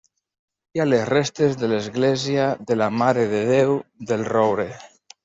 Hi ha les restes de l'església de la Mare de Déu del Roure.